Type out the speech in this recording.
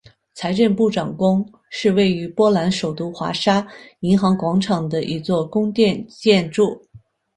财政部长宫是位于波兰首都华沙银行广场的一座宫殿建筑。